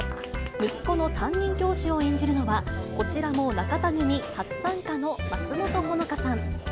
息子の担任教師を演じるのは、こちらも中田組初参加の松本穂香さん。